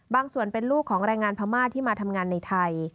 ส่วนเป็นลูกของแรงงานพม่าที่มาทำงานในไทย